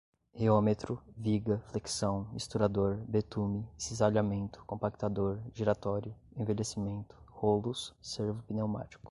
reômetro, viga, flexão, misturador, betume, cisalhamento, compactador giratório, envelhecimento, rolos, servo-pneumático